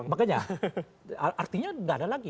makanya artinya nggak ada lagi